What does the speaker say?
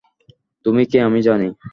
তুমি কে আমি জানি।